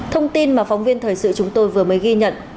thông tin mà phóng viên thời sự chúng tôi vừa mới ghi nhận